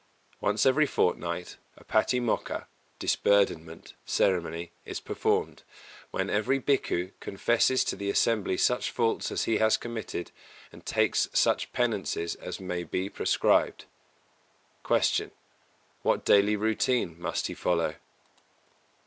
Once every fortnight, a Patimokka (Disburdenment) ceremony is performed, when every Bhikkhu confesses to the assembly such faults as he has committed and takes such penances as may be prescribed. 269. Q. _What daily routine must he follow?